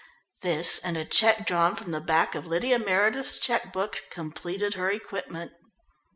This, and a cheque drawn from the back of Lydia Meredith's cheque book, completed her equipment.